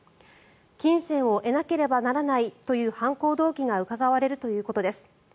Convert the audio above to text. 金銭を得なければならないという犯行動機がうかがわれるということです。